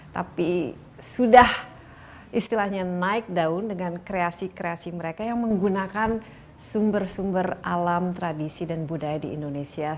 tapi sudah istilahnya naik daun dengan kreasi kreasi mereka yang menggunakan sumber sumber alam tradisi dan budaya di indonesia